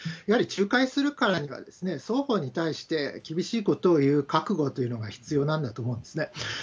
やはり仲介するからには、双方に対して厳しいことを言う覚悟というのが必要なんだと思うんですね。